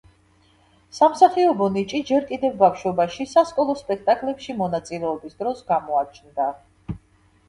სამსახიობო ნიჭი ჯერ კიდევ ბავშვობაში, სასკოლო სპექტაკლებში მონაწილეობის დროს გამოაჩნდა.